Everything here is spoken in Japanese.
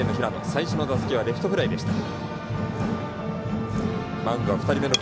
最初の打席、レフトフライでした。